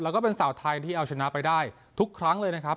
แล้วก็เป็นสาวไทยที่เอาชนะไปได้ทุกครั้งเลยนะครับ